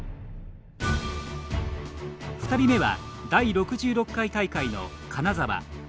２人目は第６６回大会の金沢中野真博投手。